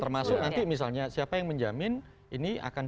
termasuk nanti misalnya siapa yang menjamin ini akan